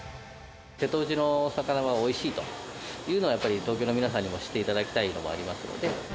瀬戸内の魚はおいしいというのが、やっぱり東京の皆さんにも知っていただきたいのもあります。